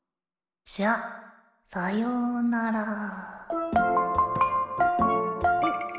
じゃさようなら。